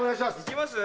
いきます？